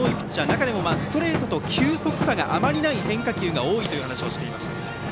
中でもストレートと球速差があまりない変化球が多いという話をしていました。